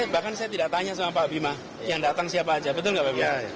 bahkan saya tidak tanya sama pak bima yang datang siapa aja betul nggak pak